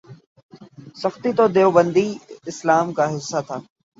سختی تو دیوبندی اسلام کا حصہ تھا۔